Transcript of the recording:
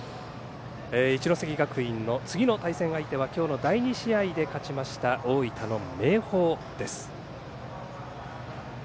一関学院の次の対戦相手は今日の第２試合で勝ちました大分の明豊です。